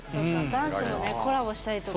ダンスのねコラボしたりとか。